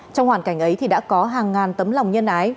trong hoàn cảnh ấy thì đã có hàng ngàn tấm lòng nhân ái